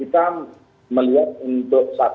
kita melihat untuk